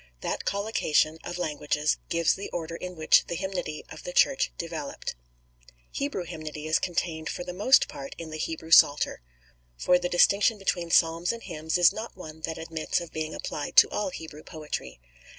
That collocation of languages gives the order in which the hymnody of the Church developed. Hebrew hymnody is contained for the most part in the Hebrew Psalter; for the distinction between psalms and hymns is not one that admits of being applied to all Hebrew poetry.